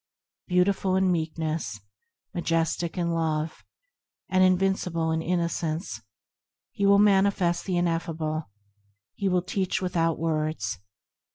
Beautiful in Meekness, Majestic in Love, And invincible in Innocence, He will manifest the Ineffable ; He will teach without words.